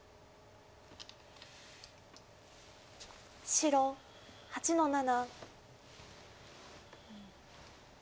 白８の七。